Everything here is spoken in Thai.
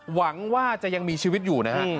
หวังว่าจะยังมีชีวิตอยู่นะฮะ